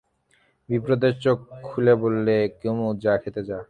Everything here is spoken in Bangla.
বিপ্রদাস চোখ খুলে বললে, কুমু, যা খেতে যা।